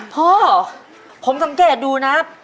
พ่อผมสังเกตดูนะครับ